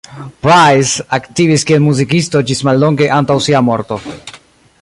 Price aktivis kiel muzikisto ĝis mallonge antaŭ sia morto.